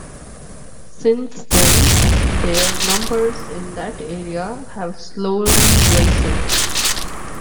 Since then, their numbers in that area have slowly risen.